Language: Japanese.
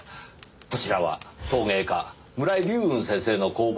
こちらは陶芸家村井流雲先生の工房では？